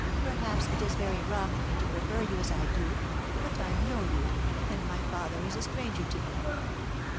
Perhaps it is very wrong in me to prefer you as I do, but I know you, and my father is a stranger to me."